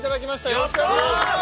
よろしくお願いします